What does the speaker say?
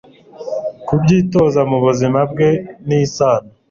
kubyitoza mu buzima bwe n'isano